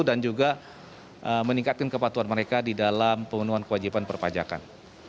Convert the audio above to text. dan juga meningkatkan kepatuhan mereka di dalam pemenuhan kewajiban perpajakan